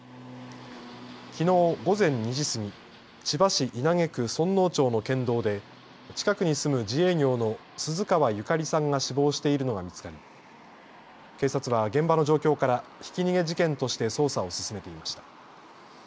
きのう午前２時過ぎ千葉市稲毛区園生町の県道で近くに住む自営業の鈴川ゆかりさんが死亡しているのが見つかり警察は現場の状況からひき逃げ事件として捜査を進めていました。